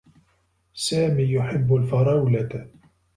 سامي يحبّ الفرولة.